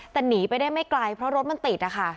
แต่หนีไปได้ไม่ไกลเพราะรถมันติดนะคะ